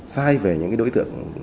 sai về những đối tượng